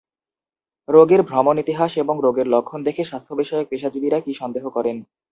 রোগীর ভ্রমণ ইতিহাস এবং রোগের লক্ষণ দেখে স্বাস্থ্যবিষয়ক পেশাজীবীরা কি সন্দেহ করেন?